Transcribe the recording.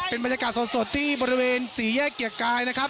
เป็นบรรยากาศสดที่บริเวณสี่แยกเกียรติกายนะครับ